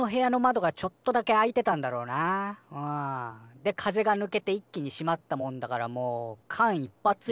で風がぬけて一気に閉まったもんだからもう間一ぱつよ。